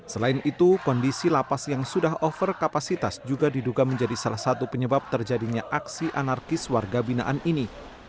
selain itu kondisi lapas yang sudah over kapasitas juga diduga menjadi salah satu penyebab terjadinya aksi anarkis warga binaan ini